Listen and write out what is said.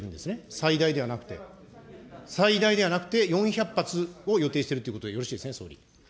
最大ではなくて、最大ではなくて４００発を予定しているということでよろしいですね、総理。